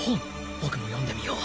僕も読んでみよう。